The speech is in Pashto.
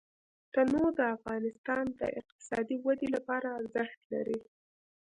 تنوع د افغانستان د اقتصادي ودې لپاره ارزښت لري.